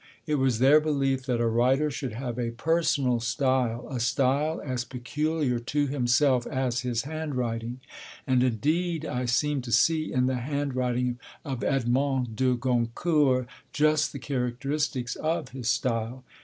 It was their belief that a writer should have a personal style, a style as peculiar to himself as his handwriting; and indeed I seem to see in the handwriting of Edmond de Goncourt just the characteristics of his style.